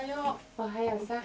おはようさん。